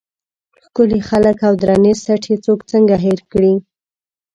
ښکلي خلک او درنې سټې څوک څنګه هېر کړي.